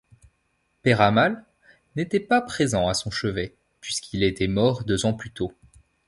Peyramale n'était pas présent à son chevet, puisqu'il était mort deux ans plus tôt.